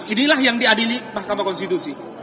inilah yang diadili mahkamah konstitusi